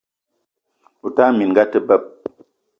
O tala minga a te beb!